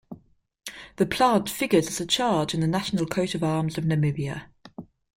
The plant figures as a charge in the national coat of arms of Namibia.